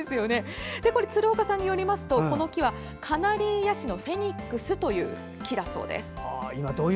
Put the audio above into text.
鶴岡さんによりますとこの木はカナリーヤシのフェニックスという木だそうです。